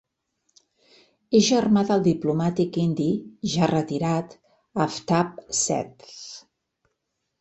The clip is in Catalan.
És germà del diplomàtic indi, ja retirat, Aftab Seth.